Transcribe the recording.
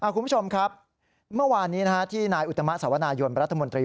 คุณผู้ชมครับเมื่อวานนี้ที่นายอุตมะสวนายนรัฐมนตรี